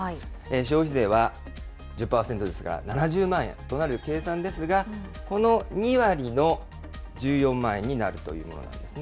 消費税は１０％ですから７０万円となる計算ですが、この２割の１４万円になるということなんですね。